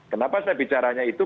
kenapa saya bicaranya itu